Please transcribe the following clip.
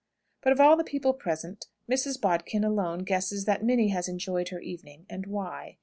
But of all the people present, Mrs. Bodkin alone guesses that Minnie has enjoyed her evening, and why.